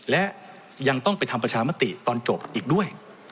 และยังต้องไปทำประชามติตอนจบอีกด้วย